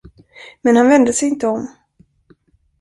Men han vände sig inte om.